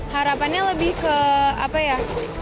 harapannya lebih ke apa ya